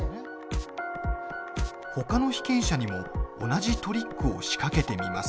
ほかの被験者にも同じトリックを仕掛けてみます。